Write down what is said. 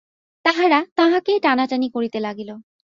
তাহারা তাঁহাকে টানাটানি করিতে লাগিল।